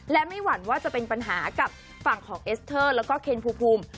และไม่หวั่นว่าจะเป็นปัญหากับฝั่งของเอสเตอร์แล้วก็เคนภูมิ